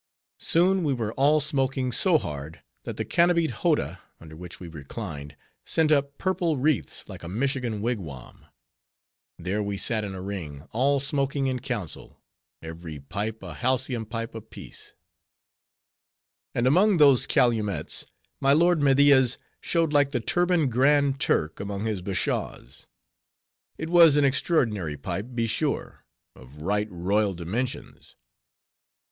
Soon we were all smoking so hard, that the canopied howdah, under which we reclined, sent up purple wreaths like a Michigan wigwam. There we sat in a ring, all smoking in council—every pipe a halcyon pipe of peace. And among those calumets, my lord Media's showed like the turbaned Grand Turk among his Bashaws. It was an extraordinary pipe, be sure; of right royal dimensions.